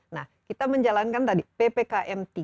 nah kita menjalankan tadi ppkm tiga